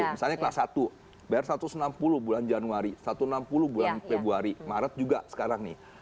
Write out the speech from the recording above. misalnya kelas satu bayar satu ratus enam puluh bulan januari satu ratus enam puluh bulan februari maret juga sekarang nih